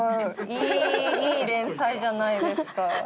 いいいい連載じゃないですか。